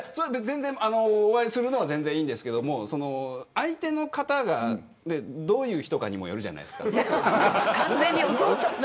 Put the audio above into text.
お会いするのは全然いいんですけども相手の方が、どういう人かにもよるじゃないですか。